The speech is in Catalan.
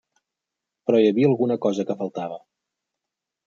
Però hi havia alguna cosa que faltava.